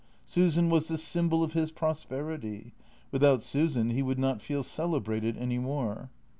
Susan was the symbol of his prosperity. Without Su san he would not feel celebrated any more.